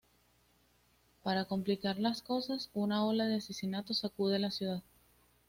Para complicar las cosas, una ola de asesinatos sacude la ciudad.